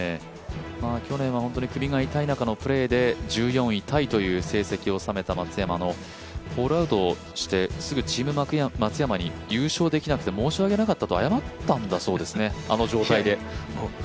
去年は本当に首が痛いという中でのプレーで１４位タイという成績を収めた、松山もホールアウトして、すぐチームに申し訳なかったと謝ったんだそうですね、あの状態で。